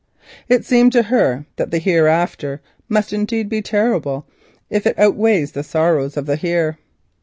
It seemed to her that the Hereafter must indeed be terrible if it outweighs the sorrows of the Here.